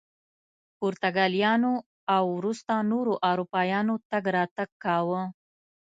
پرتګالیانو او وروسته نورو اروپایانو تګ راتګ کاوه.